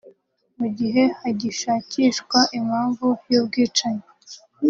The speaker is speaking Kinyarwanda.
mu gihe hagishakishwa impamvu y’ubwicanyi